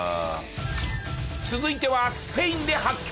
続いてはスペインで発見。